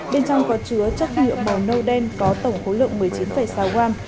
bên trong có chứa chất nhựa bò nâu đen có tổng khối lượng một mươi chín sáu gram